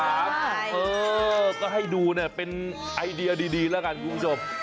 เออก็ให้ดูเนี่ยเป็นไอเดียดีแล้วกันคุณผู้ชม